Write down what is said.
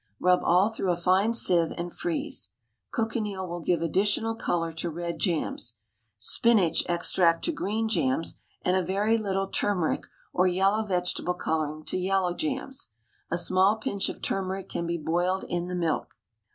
Rub all through a fine sieve, and freeze. Cochineal will give additional colour to red jams; spinach extract to green jams; and a very little turmeric, or yellow vegetable colouring, to yellow jams. A small pinch of turmeric can be boiled in the milk.